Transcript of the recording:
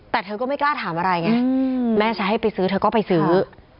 แต่เธอก็ไม่กล้าถามอะไรไงแม่จะให้ไปซื้อเธอก็ไปซื้อ